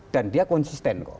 dan dia konsisten kok